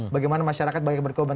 bagaimana masyarakat banyak berkeuangan